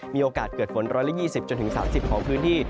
มีโอกาสเกิดฝน๑๒๐๓๐ของพื้นที่